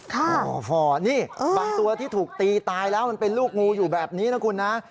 โอ้โหนี่บางตัวที่ถูกตีตายแล้วมันเป็นลูกงูอยู่แบบนี้นะคุณนะ